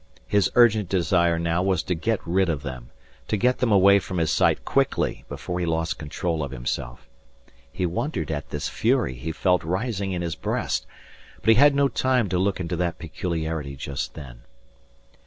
His urgent desire now was to get rid of them, to get them away from his sight quickly before he lost control of himself. He wondered at this fury he felt rising in his breast. But he had no time to look into that peculiarity just then.